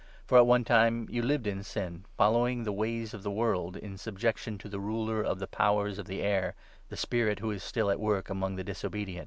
For at one time you lived in sin, following the ways of the world, in subjection to the Ruler of the Powers of the air — the Spirit who is still at This Power work among the disobedient.